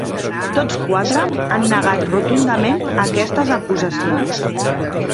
Tots quatre han negat rotundament aquestes acusacions.